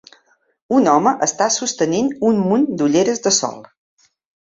Un home està sostenint un munt d'ulleres de sol